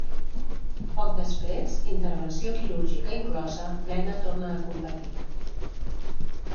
Poc després, intervenció quirúrgica inclosa, Mena torna a competir.